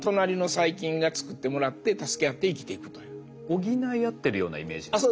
補い合ってるようなイメージですか？